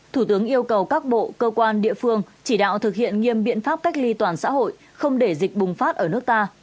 thủ tướng yêu cầu các bộ cơ quan địa phương chỉ đạo thực hiện nghiêm biện pháp cách ly toàn xã hội không để dịch bùng phát ở nước ta